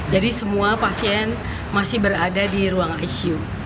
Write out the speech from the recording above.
jadi semua pasien masih berada di ruang icu